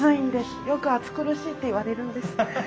よく暑苦しいって言われるんです。